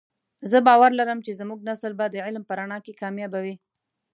زه باور لرم چې زمونږ نسل به د علم په رڼا کې کامیابه وی